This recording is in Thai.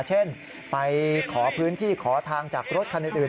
เช่นไปขอพื้นที่ขอทางจากรถคันอื่น